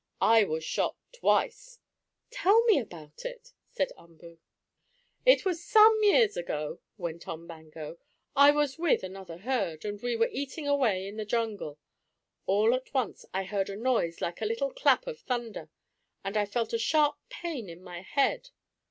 "I was shot twice." "Tell me about it," said Umboo. "It was some years ago," went on Bango. "I was with another herd, and we were eating away in the jungle. All at once I heard a noise like a little clap of thunder, and I felt a sharp pain in my head.